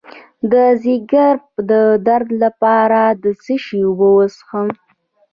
د ځیګر د درد لپاره د څه شي اوبه وڅښم؟